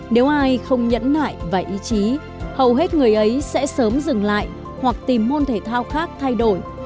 nếu ai không nhẫn nại và ý chí hầu hết người ấy sẽ sớm dừng lại hoặc tìm môn thể thao khác thay đổi